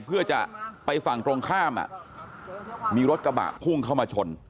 เพื่อจะไปฝั่งตรงข้ามมีรถกระบะพุ่งเข้ามาชน